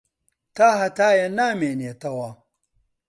تاھەتایە نامێنێتەوە.